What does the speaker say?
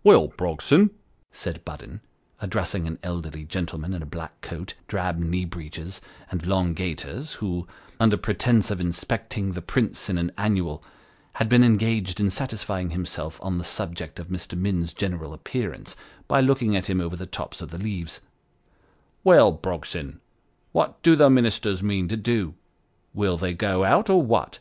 " Well, Brogson," said Budden, addressing an elderly gentleman in a black coat, drab knee breeches, and long gaiters, who, under pretence of inspecting the prints in an Annual, had been engaged in satisfying himself on the subject of Mr. Minns's general appearance, by looking at him over the tops of the leaves " Well, Brogson, what do Ministers mean to do ? Will they go out, or what